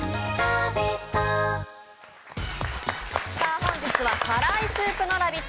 本日は辛いスープのラヴィット！